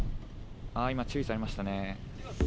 あ、今、注意されましたね。